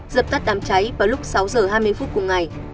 dập tắt đám cháy vào lúc sáu giờ hai mươi phút cùng ngày